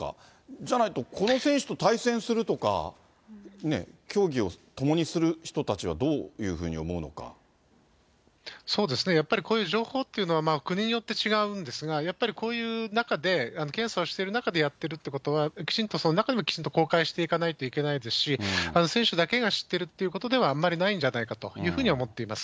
じゃないとこの選手と対戦するとか、ねぇ、競技を共にする人たちは、そうですね、やっぱり、こういう情報ってのは、国によって違うんですが、やっぱりこういう中で、検査をしている中でやってるってことは、きちんと、その中にもきちんと公開していかないといけないですし、選手だけが知っているということではあんまりないんじゃないかというふうには思っています。